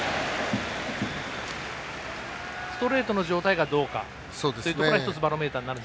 ストレートの状態がどうかというところが１つ、バロメーターになると。